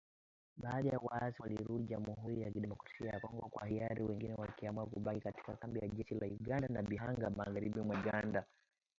Baadhi ya waasi walirudi Jamhuri ya Kidemokrasia ya Kongo kwa hiari, wengine wakiamua kubaki katika kambi ya jeshi la Uganda ya Bihanga, magharibi mwa Uganda